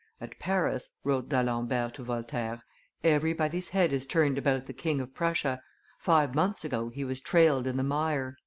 "At Paris," wrote D'Alembert to Voltaire, "everybody's head is turned about the King of Prussia; five months ago he was trailed in the mire."